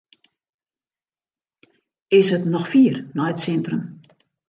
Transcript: Is it noch fier nei it sintrum?